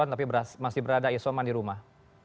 tapi masih berada isoman di rumah